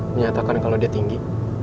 menyatakan kalo dia tinggi